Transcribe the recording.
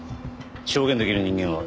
証言できる人間は？